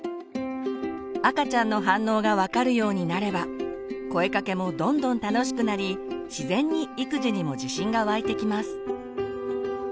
赤ちゃんの反応が分かるようになれば声かけもどんどん楽しくなり自然に育児にも自信が湧いてきます。